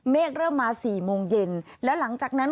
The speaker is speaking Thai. เริ่มมาสี่โมงเย็นแล้วหลังจากนั้น